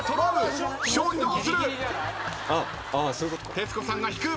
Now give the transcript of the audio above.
徹子さんが引く。